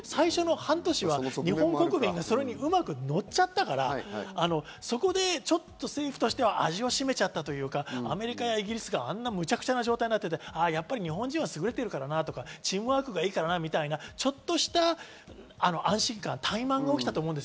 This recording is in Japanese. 最初の半年は日本国民がそれにうまくのちゃったから、そこで政府が味をしめちゃったというか、アメリカやイギリスがあんなむちゃくちゃな状態で、日本人は優れているからなとか、チームワークがいいからなとか、ちょっとした安心感、怠慢が起きたと思う。